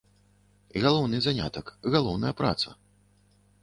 Галоўны занятак, галоўная праца?